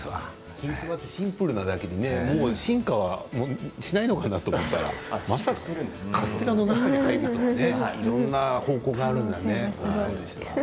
きんつばはシンプルなだけにもう進化はしないのかなと思ったらまさかカステラの中に入るとかねいろんな方法があるんですね。